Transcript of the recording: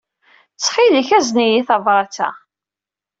Ttxil-k, azen-iyi tabṛat-a.